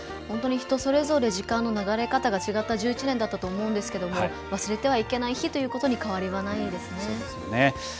本当に人それぞれ時間の流れ方が違った１１年だったと思うんですけども忘れてはいけない日ということに変わりはないですね。